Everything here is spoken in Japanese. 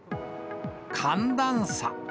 寒暖差。